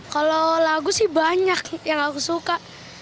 kalau lagu sih banyak yang aku suka